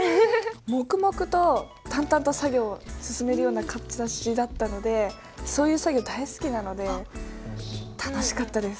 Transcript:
黙々と淡々と作業を進めるような形だったのでそういう作業大好きなので楽しかったです。